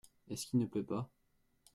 Est-ce qu’il ne pleut pas ?